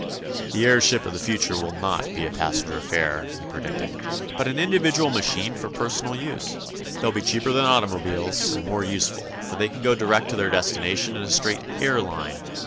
"The airship of the future will not be a passenger affair," he predicted, "but an individual machine for personal use. They'll be cheaper than automobiles, and more useful, for they can go direct to their destination in a straight 'air line.